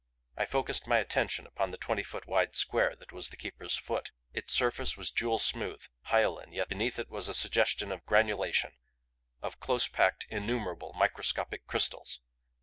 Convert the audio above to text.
I focussed my attention upon the twenty foot wide square that was the Keeper's foot. Its surface was jewel smooth, hyaline yet beneath it was a suggestion of granulation, of close packed, innumerable, microscopic crystals.